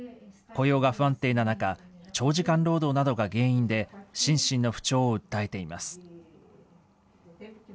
雇用が不安定な中、長時間労働などが原因で、心身の不調を訴えています。